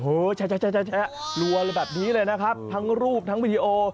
โอ้โหรัวเลยแบบนี้เลยนะครับทั้งรูปทั้งวิดีโอ